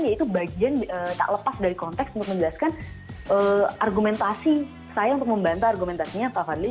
ya itu bagian tak lepas dari konteks untuk menjelaskan argumentasi saya untuk membantah argumentasinya pak fadli